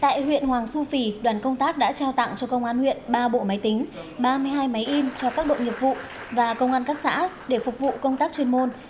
tại huyện hoàng su phi đoàn công tác đã trao tặng cho công an huyện ba bộ máy tính ba mươi hai máy in cho các đội nghiệp vụ và công an các xã để phục vụ công tác chuyên môn